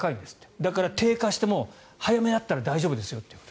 だから、低下しても早めだったら大丈夫ですよと。